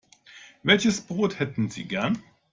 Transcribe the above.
Welches Brot hätten Sie gern?